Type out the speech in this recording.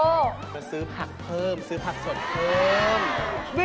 มาซื้อผักเพิ่มซื้อผักสดเพิ่ม